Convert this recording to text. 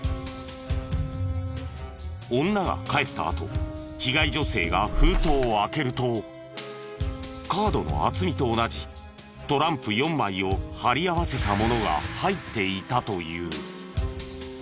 女が帰ったあと被害女性が封筒を開けるとカードの厚みと同じトランプ４枚を貼り合わせたものが入っていたという。